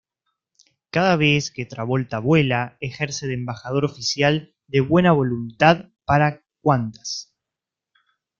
Cada vez que Travolta vuela, ejerce de embajador oficial de buena voluntad para Qantas.